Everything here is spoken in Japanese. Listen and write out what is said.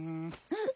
あっ。